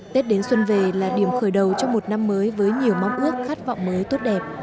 tết đến xuân về là điểm khởi đầu cho một năm mới với nhiều mong ước khát vọng mới tốt đẹp